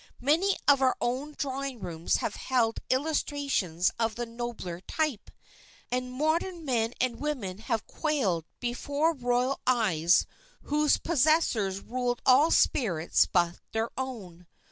Many of our own drawing rooms have held illustrations of the nobler type, and modern men and women have quailed before royal eyes whose possessors ruled all spirits but their own.